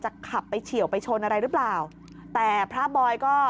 ขับไปเฉียวไปชนอะไรหรือเปล่าแต่พระบอยก็